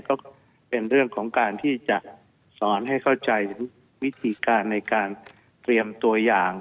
ก็เป็นเรื่องของการที่จะสอนให้เข้าใจถึงวิธีการในการเตรียมตัวอย่าง